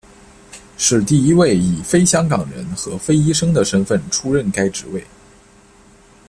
是第一位以非香港人和非医生的身份出任该职位。